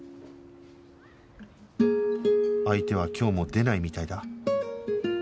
相手は今日も出ないみたいだ